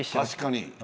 確かに。